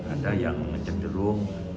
ada yang cenderung